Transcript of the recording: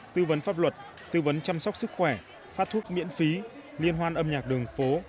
tư vấn pháp luật tư vấn chăm sóc sức khỏe phát thuốc miễn phí liên hoan âm nhạc đường phố